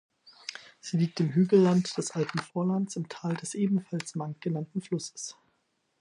Sie liegt im Hügelland des Alpenvorlandes im Tal des ebenfalls Mank genannten Flusses.